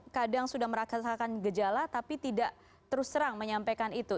kadang sudah merasakan gejala tapi tidak terus terang menyampaikan itu